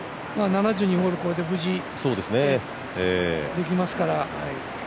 ７２ホール、これで無事できますから。